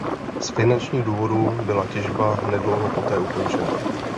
Z finančních důvodů byla těžba nedlouho poté ukončena.